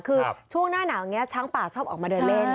คือช่วงหน้าหนาวอย่างนี้ช้างป่าชอบออกมาเดินเล่น